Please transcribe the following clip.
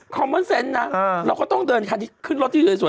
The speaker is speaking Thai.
มอนเซนต์นะเราก็ต้องเดินคันที่ขึ้นรถที่สวย